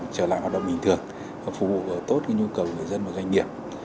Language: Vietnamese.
trở lại hoạt động bình thường và phục vụ tốt nhu cầu người dân và doanh nghiệp